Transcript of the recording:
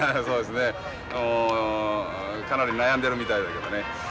もうかなり悩んでるみたいだけどね。